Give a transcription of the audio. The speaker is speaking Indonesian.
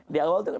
di awal tuh